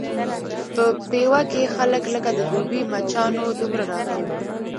په پېوه کې خلک لکه د دوبي مچانو دومره راغلي وو.